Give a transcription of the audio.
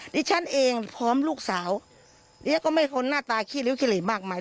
นี่ฉันเองพร้อมลูกสาวนี่ก็ไม่คนน่าตาขี้หลิวขี้หลีบมากมาย